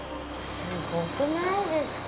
すごくないですか？